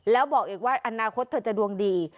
แล้วบอกอีกว่าอนาคตเธอจะดวงดี